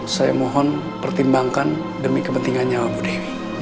saya mohon pertimbangkan demi kepentingan nyawa bu dewi